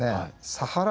サハラ